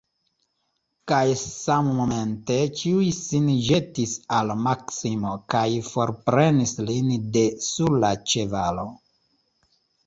Kaj sammomente ĉiuj sin ĵetis al Maksimo kaj forprenis lin de sur la ĉevalo.